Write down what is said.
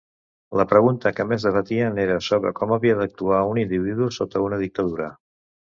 La pregunta que més debatien era sobre com havia d'actuar un individu sota una dictadura.